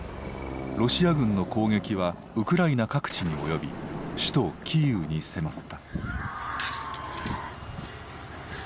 ロシア軍の攻撃はウクライナ各地に及び首都キーウに迫った。